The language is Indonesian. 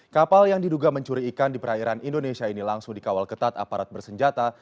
kapal yang diduga mencuri ikan di perairan indonesia ini langsung dikawal ketat aparat bersenjata